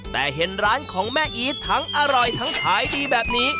แต่เห็นร้านของแม่อีททั้งอร่อยทั้งขายดีแบบนี้